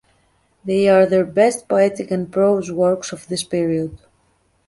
They are their best poetic and prose works of this period.